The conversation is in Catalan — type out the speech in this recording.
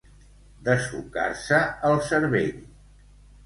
Dessucar-se el cervell.